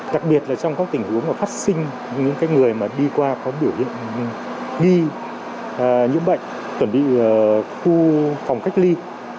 đặc biệt là trong các tình huống mà phát sinh những người mà đi qua có biểu hiện nghi nhiễm bệnh chuẩn bị khu phòng cách ly